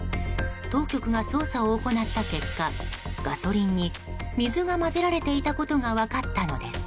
当局が捜査を行った結果ガソリンに水が混ぜられていたことが分かったのです。